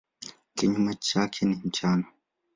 Kinyume chake ni mchana.